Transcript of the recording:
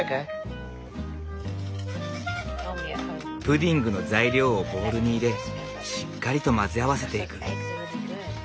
プディングの材料をボウルに入れしっかりと混ぜ合わせていく。